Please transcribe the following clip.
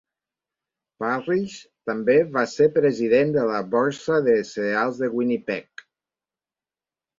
Parrish també va ser president de la Borsa de Cereals de Winnipeg.